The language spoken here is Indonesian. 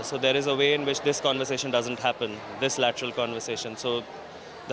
jadi ada cara yang tidak terjadi di dalam perbicaraan ini